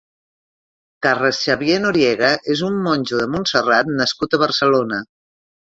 Carles Xavier Noriega és un monjo de Montserrat nascut a Barcelona.